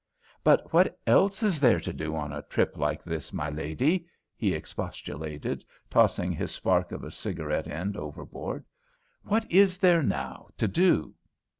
"But what else is there to do on a trip like this, my Lady?" he expostulated, tossing his spark of a cigarette end overboard. "What is there, now, to do?"